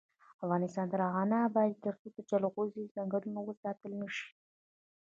افغانستان تر هغو نه ابادیږي، ترڅو د جلغوزو ځنګلونه وساتل نشي.